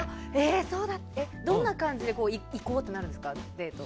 どんな感じで行こうってなるんですか、デート。